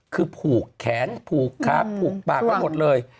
คือผูกแขนผูกขาผูกปากไว้หมดเลย